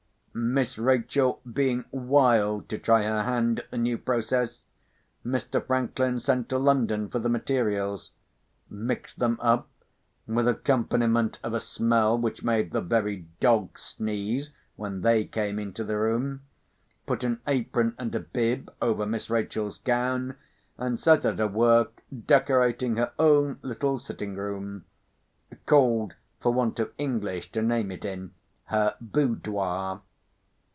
Miss Rachel being wild to try her hand at the new process, Mr. Franklin sent to London for the materials; mixed them up, with accompaniment of a smell which made the very dogs sneeze when they came into the room; put an apron and a bib over Miss Rachel's gown, and set her to work decorating her own little sitting room—called, for want of English to name it in, her "boudoir."